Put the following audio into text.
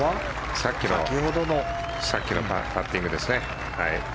さっきのパッティングですね。